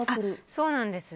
そうなんです。